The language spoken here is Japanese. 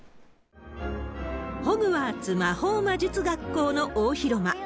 ホグワーツ魔法魔術学校の大広間。